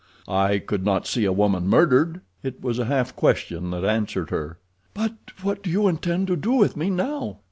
"I could not see a woman murdered?" It was a half question that answered her. "But what do you intend to do with me now?"